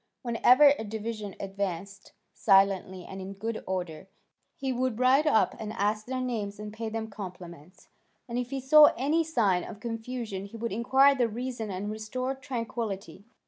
Whenever a division advanced silently and in good order, he would ride up and ask their names and pay them compliments; and if he saw any sign of confusion he would inquire the reason and restore tranquillity.